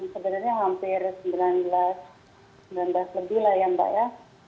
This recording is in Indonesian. sebenarnya hampir sembilan belas lebih lah ya mbak ya